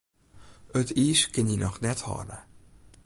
It iis kin dy noch net hâlde.